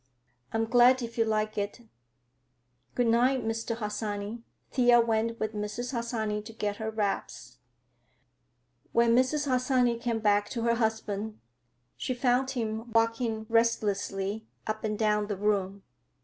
"I'm glad if you like it. Good night, Mr. Harsanyi." Thea went with Mrs. Harsanyi to get her wraps. When Mrs. Harsanyi came back to her husband, she found him walking restlessly up and down the room.